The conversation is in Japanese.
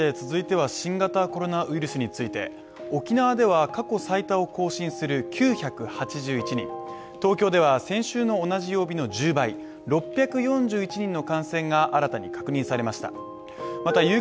続いては新型コロナウイルスについて、沖縄では過去最多を更新する９８１人、東京では先週の同じ曜日の１０倍６４１人の感染が新たに確認されました。